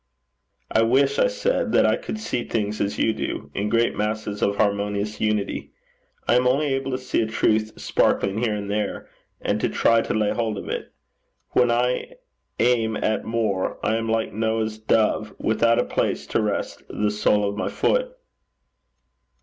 'I wish,' I said, 'that I could see things as you do in great masses of harmonious unity. I am only able to see a truth sparkling here and there, and to try to lay hold of it. When I aim at more, I am like Noah's dove, without a place to rest the sole of my foot.'